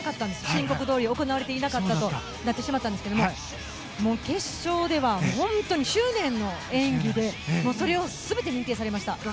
申告どおり行われていなかったことになってしまったんですけど決勝では執念の演技でそれが全て認定されました。